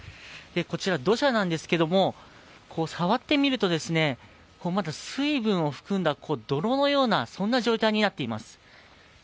こちら、土砂なんですけど、触ってみるとまだ水分を含んだ泥のような状態になっています。